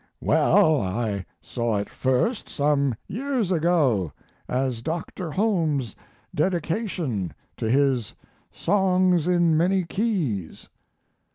"Well, I saw it first, some years ago, as Dr. Holmes's dedication to his Songs in Many Keys."